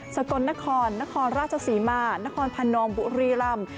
กลนครนครราชศรีมานครพนมบุรีรำ